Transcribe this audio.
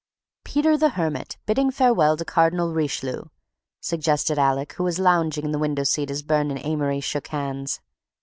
"Peter the Hermit bidding farewell to Cardinal Richelieu," suggested Alec, who was lounging in the window seat as Burne and Amory shook hands.